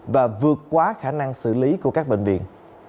và vượt quá khả năng xử lý của các bệnh viện